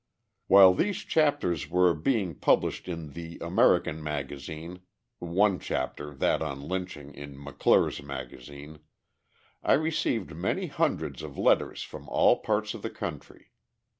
While these chapters were being published in the American Magazine (one chapter, that on lynching, in McClure's Magazine) I received many hundreds of letters from all parts of the country.